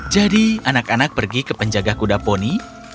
jadi anak anak pergi ke penjaga kuda poni